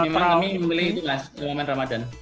memang kami membeli itu mas momen ramadhan